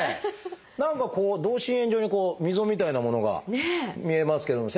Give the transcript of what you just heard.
何かこう同心円状に溝みたいなものが見えますけども先生。